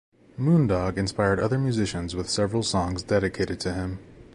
Moondog inspired other musicians with several songs dedicated to him.